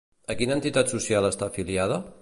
A quina entitat social està afiliada?